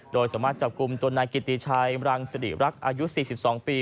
โดยสามารถจับกลุ่มตัวนายกิติชัยรังสิริรักษ์อายุ๔๒ปี